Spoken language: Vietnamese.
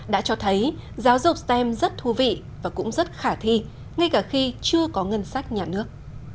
đã cho thấy giáo dục stem rất thú vị và cũng rất khả thi ngay cả khi chưa có ngân sách nhà nước